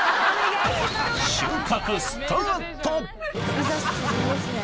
いざ出陣ですね。